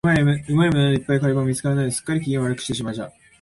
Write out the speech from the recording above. うまい獲物のいっぱいいる猟場も見つからないので、すっかり、機嫌を悪くしていました。